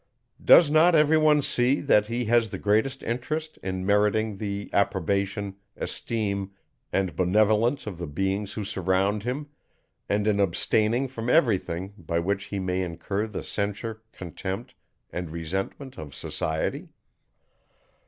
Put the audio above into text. Does not every one see, that he has the greatest interest, in meriting the approbation, esteem, and benevolence of the beings who surround him, and in abstaining from every thing, by which he may incur the censure, contempt, and resentment of society?